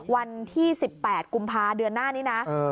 วันที่๑๘กุมภาเดือนหน้านี้นะ